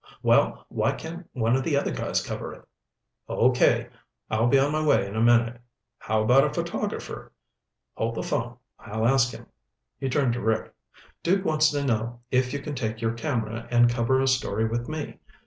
Well, why can't one of the other guys cover it? Okay, I'll be on my way in a minute. How about a photographer? Hold the phone. I'll ask him." He turned to Rick. "Duke wants to know if you can take your camera and cover a story with me.